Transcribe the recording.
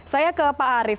saya ke pak arief